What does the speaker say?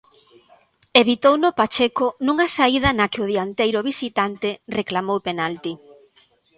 Evitouno Pacheco nunha saída na que o dianteiro visitante reclamou penalti.